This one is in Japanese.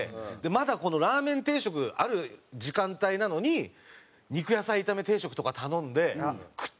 まだこのラーメン定食ある時間帯なのに肉野菜炒め定食とか頼んで食ってるんですよ。